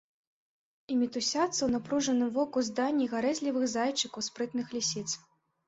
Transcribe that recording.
І мітусяцца ў напружаным воку здані гарэзлівых зайчыкаў, спрытных лісіц.